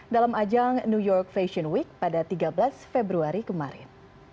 dalam ajang new york fashion week pada tiga belas februari kemarin